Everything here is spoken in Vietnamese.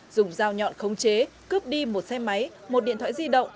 dùng dao nhọn khống chế cướp đi một xe máy một điện thoại di động